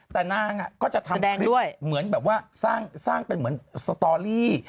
แต่นางก็จะทำคลิปเหมือนแบบว่าสร้างเป็นเหมือนสตอรี่